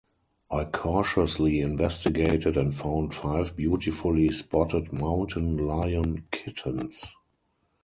I cautiously investigated and found five beautifully spotted mountain lion kittens.